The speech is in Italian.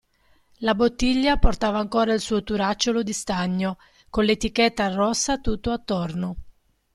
La bottiglia portava ancora il suo turacciolo di stagno, con l'etichetta rossa tutto attorno.